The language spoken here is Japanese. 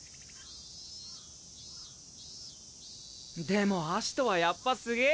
でもアシトはやっぱすげえよ！